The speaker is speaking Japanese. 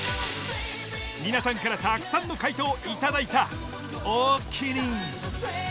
皆さんからたくさんの回答を頂いた！おおきに！